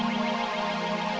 gue sama bapaknya